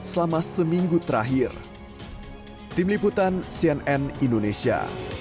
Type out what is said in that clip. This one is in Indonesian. selama seminggu terakhir tim liputan cnn indonesia